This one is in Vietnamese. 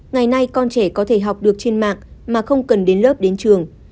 ngày nay con trẻ có thể học được trên mạng mà không cần đến lớp đến trường